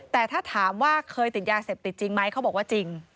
แต่ถ้าถามว่าเคยติดยาเสพติดจริงไหมเขาบอกว่าจริง